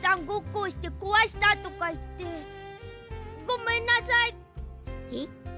ごっこをしてこわしたとかいってごめんなさい！え？